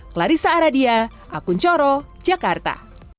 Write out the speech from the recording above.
clarissa aradia akun coro jakarta